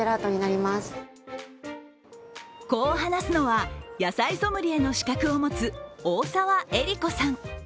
しかもこう話すのは、野菜ソムリエの資格を持つ大澤英里子さん。